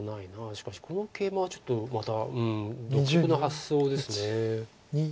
しかしこのケイマはちょっとまた独特な発想です。